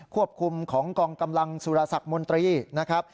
ควบคุมของกองกำลังสุรสักมนตรีนะครับ